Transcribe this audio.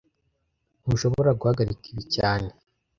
Ntushobora guhagarika ibi cyane